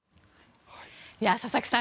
佐々木さん